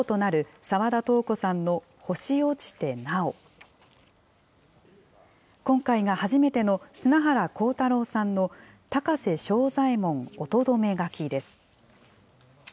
今回が初めての砂原浩太朗さんの高瀬庄左衛門御留書です。